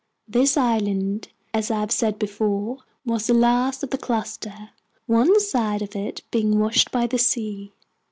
This island, as I have said before, was the last of the cluster, one side of it being washed by the sea.